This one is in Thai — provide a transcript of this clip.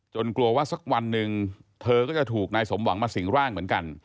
กลัวว่าสักวันหนึ่งเธอก็จะถูกนายสมหวังมาสิงร่างเหมือนกัน